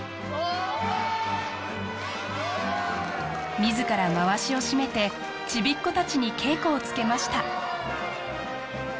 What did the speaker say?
あ自らまわしを締めてちびっこたちに稽古をつけました